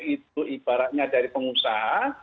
itu ibaratnya dari pengusaha